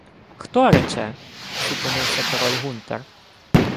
— Хто рече? — сіпонувся король Гунтер.